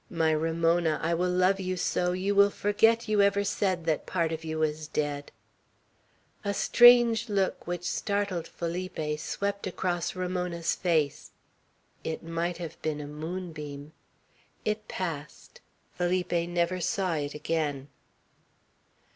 My Ramona, I will love you so, you will forget you ever said that part of you was dead!" A strange look which startled Felipe swept across Ramona's face; it might have been a moonbeam. It passed. Felipe never saw it again.